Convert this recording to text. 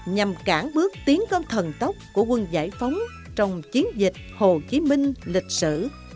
nhằm cản bước tiến công thần tốc của quân giải phóng trong chiến dịch hồ chí minh lịch sử